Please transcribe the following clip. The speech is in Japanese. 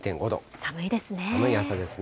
寒い朝ですね。